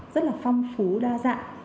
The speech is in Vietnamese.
rất là phong phú đa dạng